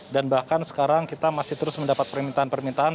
dan bahkan sekarang kita masih terus mendapat permintaan permintaan